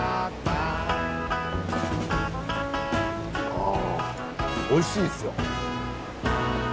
あおいしいですよ。